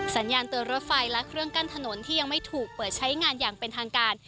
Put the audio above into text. สัญญาณเตือนรถไฟและเครื่องกั้นถนนที่ยังไม่ถูกเปิดใช้งานอย่างเป็นทางการ